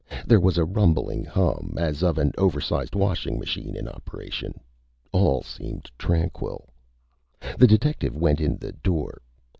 There was a rumbling hum, as of an oversized washing machine in operation. All seemed tranquil. The detective went in the door.